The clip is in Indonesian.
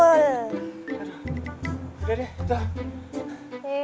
udah deh udah